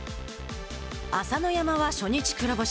朝乃山は、初日黒星。